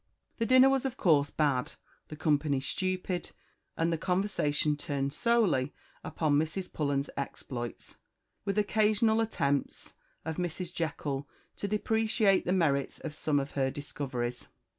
The dinner was of course bad, the company stupid, and the conversation turned solely upon Mrs. Pullens's exploits, with occasional attempts of Mrs. Jekyll to depreciate the merits of some of her discoveries.